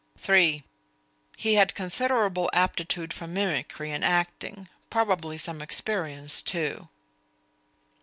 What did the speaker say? (3) He had considerable aptitude for mimicry and acting probably some experience too.